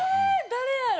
誰やろ？